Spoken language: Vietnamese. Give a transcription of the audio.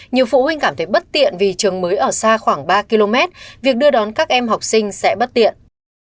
nhiều phụ huynh cảm thấy bất tiện vì trường mới ở xa khoảng ba km việc đưa đón các em học sinh sẽ bất tiện